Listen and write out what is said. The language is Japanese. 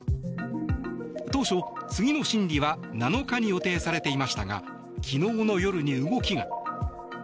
当初、次の審理は７日に予定されていましたが昨日の夜に動きが。